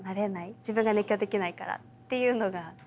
自分が熱狂できないからっていうのがずっと。